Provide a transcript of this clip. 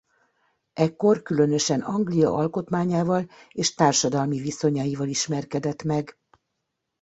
Ekkor különösen Anglia alkotmányával és társadalmi viszonyaival ismerkedett meg.